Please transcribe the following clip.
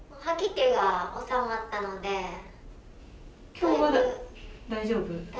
今日は大丈夫？